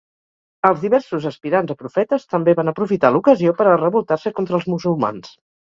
Els diversos aspirants a profetes també van aprofitar l'ocasió per a revoltar-se contra els musulmans.